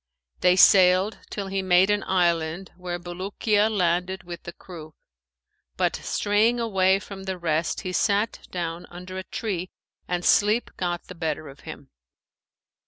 They sailed till he made an island, where Bulukiya landed with the crew, but straying away from the rest he sat down under a tree and sleep got the better of him.